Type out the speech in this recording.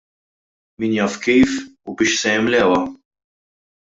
Min jaf kif u biex se jimlewha!